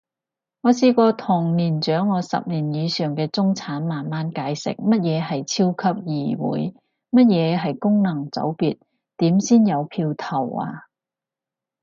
我試過同年長我十年以上嘅中產慢慢解釋，乜嘢係超級區議會？乜嘢係功能組別？點先有票投啊？